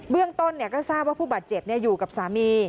เรื่องต้นก็ทราบว่าผู้บาดเจ็บอยู่กับสามี